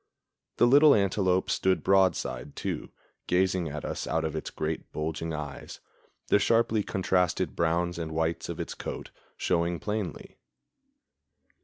The little antelope stood broadside, too, gazing at us out of its great bulging eyes, the sharply contrasted browns and whites of its coat showing plainly.